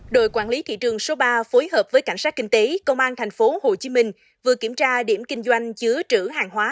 đội quản lý thị trường số ba phối hợp với cảnh sát kinh tế công an tp hcm vừa kiểm tra điểm kinh doanh chứa trữ hàng hóa